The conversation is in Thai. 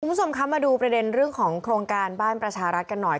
คุณผู้ชมคะมาดูประเด็นเรื่องของโครงการบ้านประชารัฐกันหน่อย